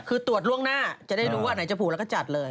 คือตรวจล่วงหน้าจะได้รู้ว่าอันไหนจะผูกแล้วก็จัดเลย